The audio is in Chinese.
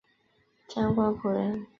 张光辅人。